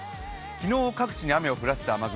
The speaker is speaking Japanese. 昨日各地に雨を降らせて雨雲